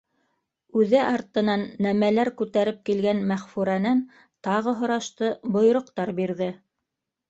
Үҙе артынан нәмәләр күтәреп килгән Мәғфүрәнән тағы һорашты, бойороҡтар бирҙе.